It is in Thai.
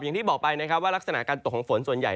อย่างที่บอกไปนะครับว่ารักษณะการตกของฝนส่วนใหญ่